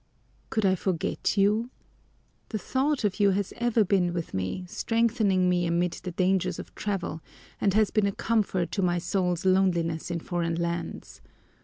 "Could I forget you? The thought of you has ever been with me, strengthening me amid the dangers of travel, and has been a comfort to my soul's loneliness in foreign lands.